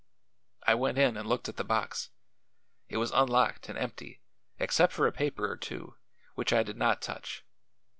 I went in and looked at the box. It was unlocked and empty, except for a paper or two, which I did not touch.